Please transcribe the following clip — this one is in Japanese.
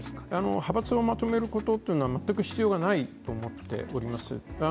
派閥をまとめることは全く必要がないと思っております。